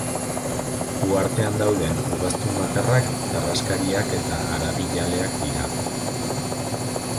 Uhartean dauden ugaztun bakarrak karraskariak eta haragijaleak dira.